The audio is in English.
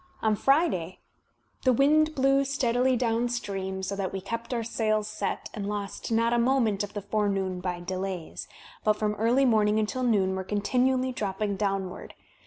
On Friday "the wind blew steadily downstream, so that we kept our sails set, and lost not a moment of the forenoon by delays, but from early morning until noon were coritinually dropping downward.